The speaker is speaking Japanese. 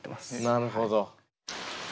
なるほど。